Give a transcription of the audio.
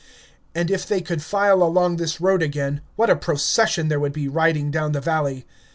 And if they could file along this road again, what a procession there would be riding down the valley!